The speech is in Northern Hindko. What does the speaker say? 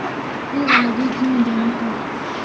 اے وادی جیّاں جنت اے۔